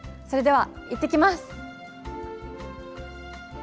それでは行ってきます。